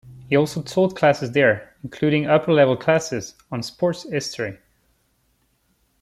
He also taught classes there, including upper level classes on sports history.